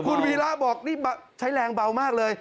คุณวีระบอกนี่ใช้แรงเบามากเลย